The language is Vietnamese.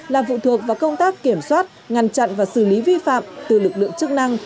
là vụ thuộc vào công tác kiểm soát ngăn chặn và xử lý vi phạm từ lực lượng chức năng